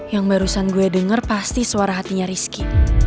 yang barusan gue dengar pasti suara hatinya rizky